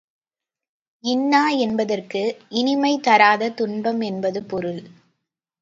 இன்னா என்பதற்கு, இனிமை தராத துன்பம் என்பது பொருள்.